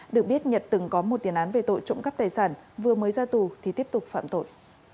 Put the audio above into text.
được biết nhật từng có một tiền án về tội trộm cắp tài sản vừa mới ra tù thì tiếp tục phạm tội